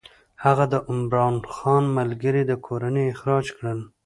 هغه د عمرا خان ملګري او کورنۍ اخراج کړل.